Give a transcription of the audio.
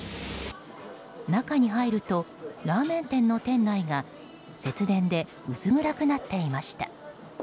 中に入るとラーメン店の店内が節電で薄暗くなっていました。